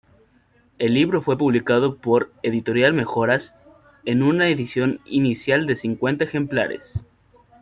El libro fue publicado por "Editorial Mejoras", en una edición inicial de cincuenta ejemplares.